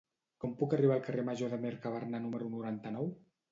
Com puc arribar al carrer Major de Mercabarna número noranta-nou?